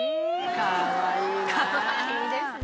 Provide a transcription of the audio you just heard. かわいいですね。